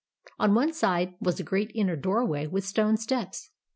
On one side was a great inner doorway with stone steps.